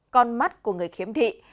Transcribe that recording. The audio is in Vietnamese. con mắt của người khiếm thị